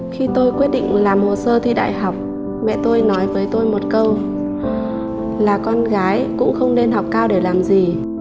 khi tôi quyết định làm hồ sơ thi đại học mẹ tôi nói với tôi một câu là con gái cũng không nên học cao để làm gì